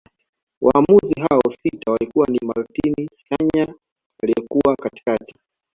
Waamuzi hao sita walikuwa ni Martin Saanya aliyekuwa katikati